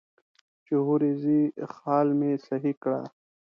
چې هورې ځې خال مې سهي کړه.